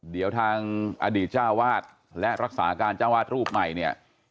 เดี๋ยวทางอดีตเจ้าวาดและรักษาการเจ้าวาดรูปใหม่เนี่ย